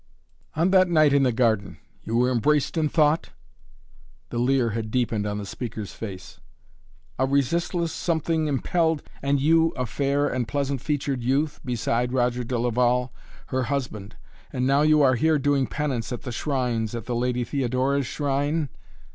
"On that night in the garden you embraced in thought?" The leer had deepened on the speaker's face. "A resistless something impelled " "And you a fair and pleasant featured youth, beside Roger de Laval her husband. And now you are here doing penance at the shrines, at the Lady Theodora's shrine?"